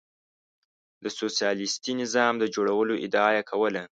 د سوسیالیستي نظام د جوړولو ادعا یې کوله.